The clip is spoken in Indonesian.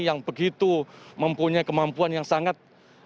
yang begitu mempunyai kemampuan yang sangat